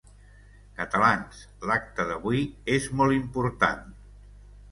Catalans, l’acte d’avui és molt important.